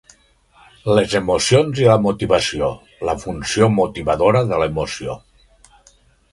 Les emocions i la motivació; la funció motivadora de l'emoció